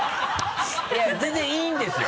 いや全然いいんですよ！